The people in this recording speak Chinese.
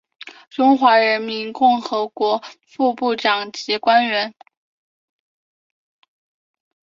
中华人民共和国副部长级官员。